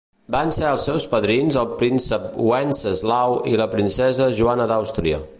Van ser els seus padrins el príncep Wenceslau i la princesa Joana d'Àustria.